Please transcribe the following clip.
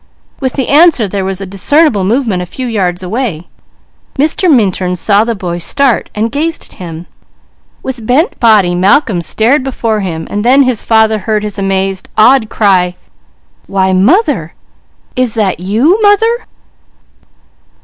With the answer, there was a discernible movement a few yards away. Mr. Minturn saw the boy start, and gazed at him. With bent body Malcolm stared before him, and then his father heard his amazed, awed cry: "Why mother! Is that you, mother?"